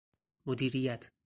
مدیریت